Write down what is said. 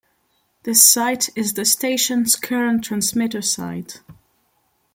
This site is the station's current transmitter site.